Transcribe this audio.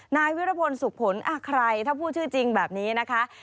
นายวิรพลสุขผลใครถ้าพูดชื่อจริงแบบนี้นะคะ